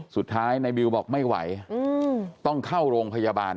สุดท้ายนายบิวบอกไม่ไหวต้องเข้าโรงพยาบาล